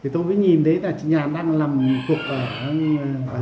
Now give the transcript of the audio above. tôi nhìn thấy chị nhàn đang làm một cuộc ở dưới làm nhà